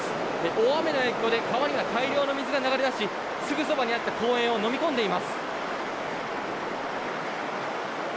大雨の影響で川には大量に水が流れ出しすぐそばにあった公園をのみ込んでいます。